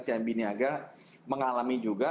si amby niaga mengalami juga